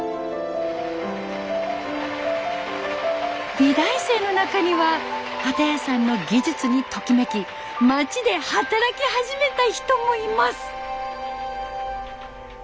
美大生の中には機屋さんの技術にときめき町で働き始めた人もいます。